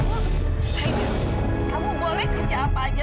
ayo kamu boleh kerja apa aja